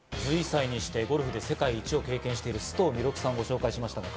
１１歳にして、ゴルフで世界一を経験している須藤弥勒さんをご紹介しました。